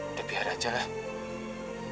kita biar aja lah